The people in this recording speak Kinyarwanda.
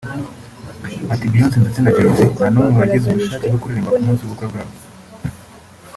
Ari Beyonce ndetse na Jay Z nta numwe wagize ubushake bwo kuririmba ku munsi w’ubukwe bwabo